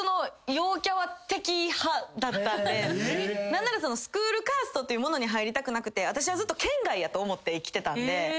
何ならスクールカーストというものに入りたくなくて私はずっと圏外やと思って生きてたんで。